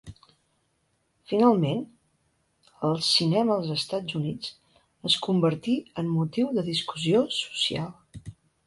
Finalment, el cinema als Estats Units es convertí en motiu de discussió social.